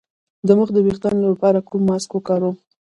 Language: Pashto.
د مخ د ويښتانو لپاره کوم ماسک وکاروم؟